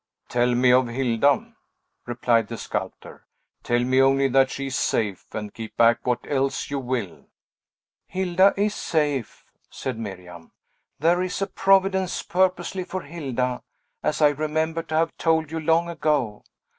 "Tell me of Hilda," replied the sculptor; "tell me only that she is safe, and keep back what else you will." "Hilda is safe," said Miriam. "There is a Providence purposely for Hilda, as I remember to have told you long ago.